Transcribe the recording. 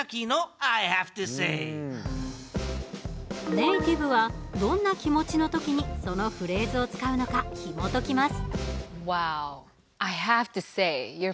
ネイティブはどんな気持ちの時にそのフレーズを使うのかひもときます。